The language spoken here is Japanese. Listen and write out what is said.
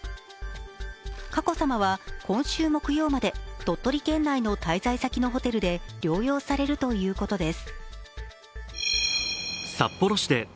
佳子さまは今週木曜まで鳥取県内の滞在先のホテルで療養されるということです。